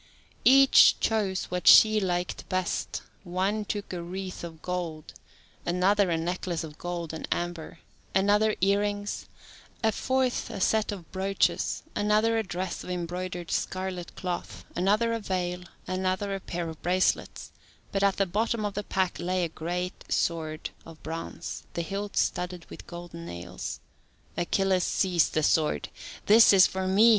Each chose what she liked best: one took a wreath of gold; another a necklace of gold and amber; another earrings; a fourth a set of brooches, another a dress of embroidered scarlet cloth; another a veil; another a pair of bracelets; but at the bottom of the pack lay a great sword of bronze, the hilt studded with golden nails. Achilles seized the sword. "This is for me!"